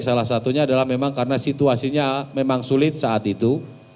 salah satunya adalah memang karena situasinya memang sulit saat itu